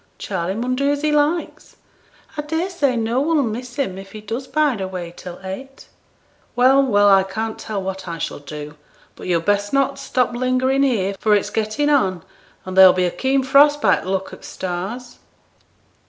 Charley mun do as he likes; I daresay no one'll miss him if he does bide away till eight.' 'Well, well! I can't tell what I shall do; but yo'd best not stop lingering here, for it's getting on, and there'll be a keen frost by t' look o' the stars.'